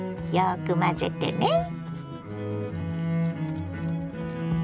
よく混ぜてね。